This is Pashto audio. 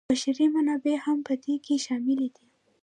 بشري منابع هم په دې کې شامل دي.